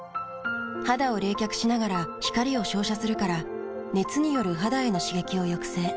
肌を冷却しながら光を照射するから熱による肌への刺激を抑制。